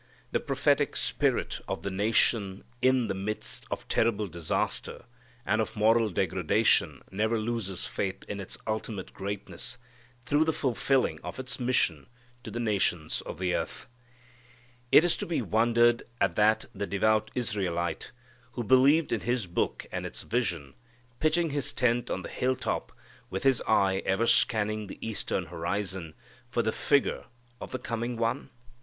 The prophetic spirit of the nation in the midst of terrible disaster and of moral degradation never loses faith in its ultimate greatness, through the fulfilling of its mission to the nations of the earth. Is it to be wondered at that the devout Israelite, who believed in his book and its vision, pitched his tent on the hilltop, with his eye ever scanning the eastern horizon, for the figure of the coming One?